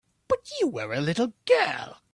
But you were a little girl.